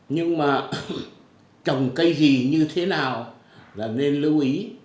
nhưng mà trồng cây gì như thế nào là nên lưu ý